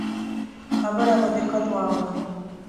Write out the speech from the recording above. خبره په دقت واوره.